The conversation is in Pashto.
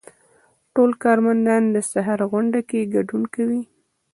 ټول کارمندان د سهار غونډې کې ګډون کوي.